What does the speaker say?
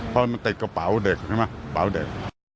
เพราะว่ามันติดกระเป๋าเด็กใช่ไหม